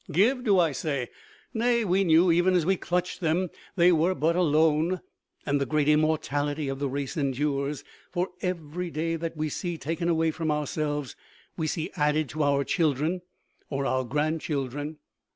Give, do I say? Nay, we knew, even as we clutched them, they were but a loan. And the great immortality of the race endures, for every day that we see taken away from ourselves we see added to our children or our grandchildren.